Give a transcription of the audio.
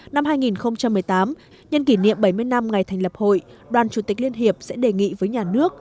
năm hai nghìn một mươi tám nhân kỷ niệm bảy mươi năm ngày thành lập hội đoàn chủ tịch liên hiệp sẽ đề nghị với nhà nước